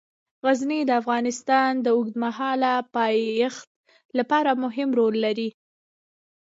غزني د افغانستان د اوږدمهاله پایښت لپاره مهم رول لري.